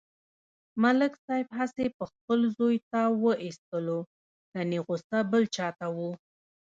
ملک صاحب هسې په خپل زوی تاو و ایستلو کني غوسه بل چاته و.